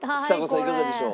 いかがでしょう？